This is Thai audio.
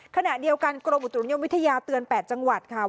ขณะเดียวกันกรมอุตุนิยมวิทยาเตือน๘จังหวัดค่ะ